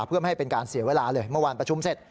เพื่อไม่ให้เป็นการเสียเวลาเลยเมื่อวานประชุมเสร็จ